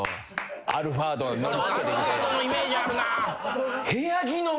アルファードのイメージあるな。